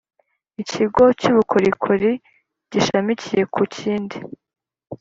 Ikigo cy ubukorikori gishamikiye ku kindi